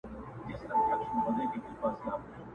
دوی پخپله هم یو بل سره وژله٫